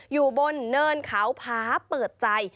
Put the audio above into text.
อยู่บนเนินเขาผาเปิดใจ